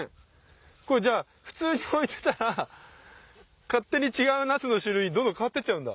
これじゃあ普通に置いてたら勝手に違うナスの種類にどんどん変わってっちゃうんだ。